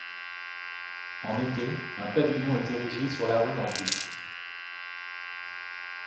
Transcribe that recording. En été un pavillon est érigé sur la rue en plus.